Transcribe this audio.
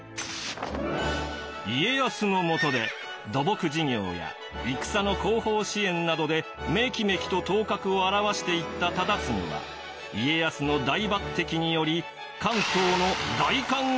家康のもとで土木事業や戦の後方支援などでメキメキと頭角を現していった忠次は家康の大抜てきにより関東の代官頭に任命されました。